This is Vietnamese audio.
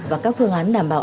và các phương án đảm bảo